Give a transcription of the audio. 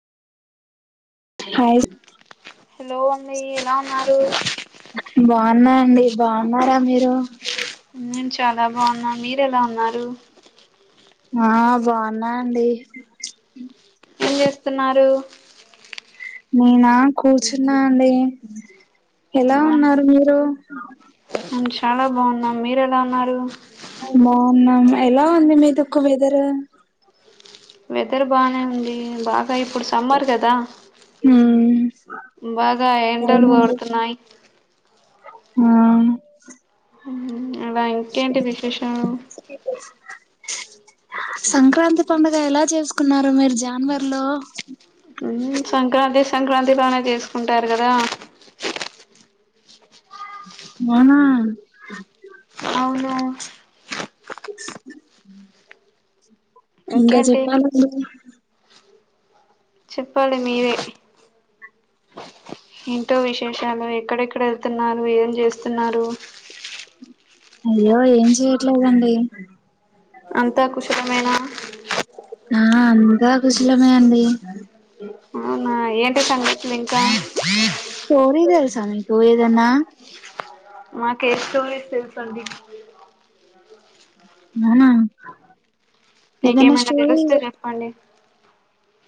hi hello అండి ఎలా ఉన్నారు స బాగున్నా అండి బాగున్నారా మీరు నేను చాలా బాగున్నా మీర ఎలా ఉన్నారు, ఆ బాగున్నా అండి ఏం చేస్తున్నారు, నేనా కూర్చున్నా అండి ఎలా ఉన్నారు మీరు ఆ మేము చాలా బాగున్నా మీర ఎలా ఉన్నారు, అవున ఎలా ఉంది మీదుక్కు వెెదరు వెదర్ బానే ఉంది బాగా ఇ ఇప్పుడు సమ్మర్ కదా బాగా ఎండలు కొడుతున్నాయి ఆ ఉ అలా ఇంకేంటి విశేషలు సంక్రాంతి పడుగ ఎలా చేసుకున్నారు మీరు జానువర్లో మ్ సంక్రాంతి సంక్రాంతి బానే చేసుకుంటారు కదా మనా అవును [inaudible] ఇంగా ఇంకేంటి చెప్పాలండి చెప్పాలి మీరే ఎంటో విశేషాలు ఎక్కడెక్కడ వెళ్తున్నారు ఏం చేస్తున్నారు అయ్యో ఏం చెయట్లేదండి అంతా కుశలమేన ఆ అంద కుశలమే అండి ఆ ఏంటి సంగతులు ఇంకా స్టోరీ తెలుసా నీకు ఏదన్నా మాక్ ఎ స్టోర్స్ తెలుసండి ననా మీకేమైనా తెలుస్తే చెప్పండి